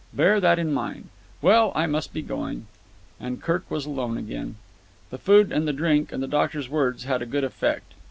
Bear that in mind. Well, I must be going." And Kirk was alone again. The food and the drink and the doctor's words had a good effect.